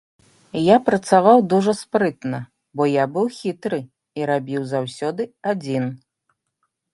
Я працаваў дужа спрытна, бо я быў хітры і рабіў заўсёды адзін.